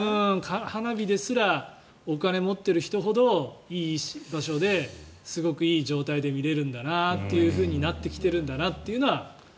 花火ですらお金を持っている人ほどいい場所ですごくいい状態で見れるんだなとなってきているんだなとは感じます。